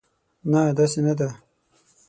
نه، داسې نه ده.